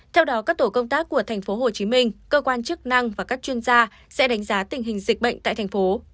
theo đó các tổ công tác của tp hcm cơ quan chức năng và các chuyên gia sẽ đánh giá tình hình dịch bệnh tại thành phố